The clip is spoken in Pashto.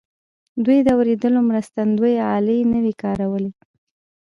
دوی د اورېدو مرستندويي الې نه وې کارولې.